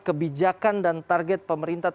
kebijakan dan target pemerintahnya